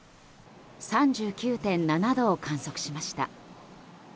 ３９．７度を観測しました。